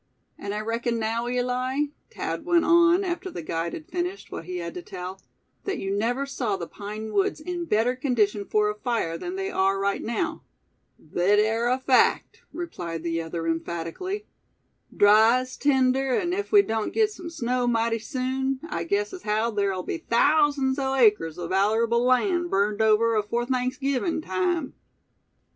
"And I reckon, now, Eli?" Thad went on, after the guide had finished what he had to tell; "that you never saw the pine woods in better condition for a fire than they are right now?" "Thet air a fact," replied the other, emphatically. "Dry as tinder, an' ef we doan't git sum snow mighty soon, I guess as haow ther'll be thousands o' acres o' vallerable land burned over afore Thanksgivin' time."